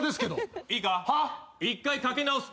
１回かけ直す。